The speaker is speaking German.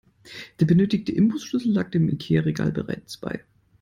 Der benötigte Imbusschlüssel lag dem Ikea-Regal bereits bei.